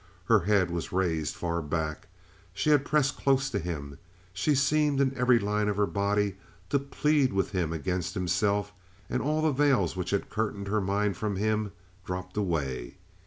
Her head was raised far back; she had pressed close to him; she seemed in every line of her body to plead with him against himself, and all the veils which had curtained her mind from him dropped away.